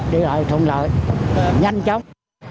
rồi nhanh chóng